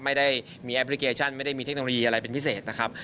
ไม่ได้มีแอปพลิเคชันไม่ได้มีเทคโนโลยีอะไรเป็นพิเศษนะครับ